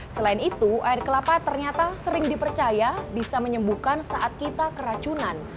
selain itu air kelapa ternyata sering dipercaya bisa menyembuhkan saat kita keracunan